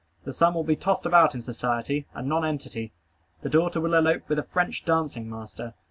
The son will be tossed about in society, a nonentity. The daughter will elope with a French dancing master.